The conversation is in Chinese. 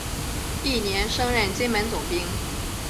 翌年升任金门总兵。